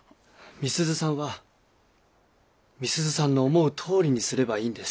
美鈴さんは美鈴さんの思うとおりにすればいいんです。